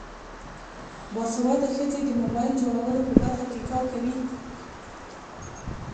باسواده ښځې د موبایل جوړولو په برخه کې کار کوي.